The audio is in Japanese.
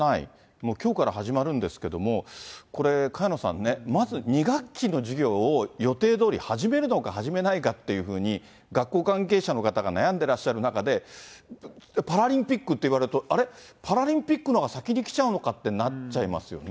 もうきょうから始まるんですけども、これ、萱野さんね、まず２学期の授業を予定どおり始めるのか、始めないのかっていうふうに、学校関係者の方が悩んでいらっしゃる中で、パラリンピックって言われると、あれ、パラリンピックのが先に来ちゃうのかってなっちゃいますよね。